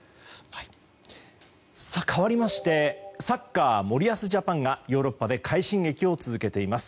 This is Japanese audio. かわりましてサッカー、森保ジャパンがヨーロッパで快進撃を続けています。